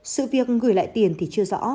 sự việc gửi lại tiền thì chưa rõ